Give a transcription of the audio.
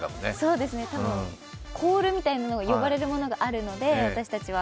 そうですね、コールみたいな呼ばれるものがあるので、私たちは。